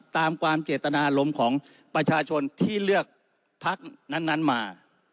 ตามความเจตนารมณ์ของประชาชนที่เลือกพักนั้นมา